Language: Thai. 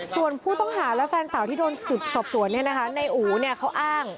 ส่วนผู้ต้องหาและแฟนสาวที่โดนสุดสบสวนเนี่ยนะคะในอู่เนี่ยเขาอ้าง